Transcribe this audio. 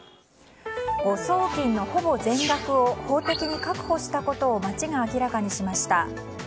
誤送金のほぼ全額を法的に確保したことを町が明らかにしました。